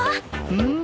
うん？